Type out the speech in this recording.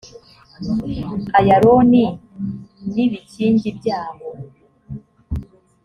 ayaloni n’ ibikingi byaho..